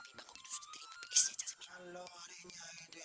enggak bergantung kalau tanya proses